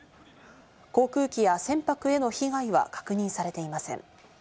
航空機や船舶への被害は確認されていません。